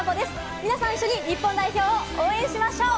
皆さん一緒に日本代表を応援しましょう。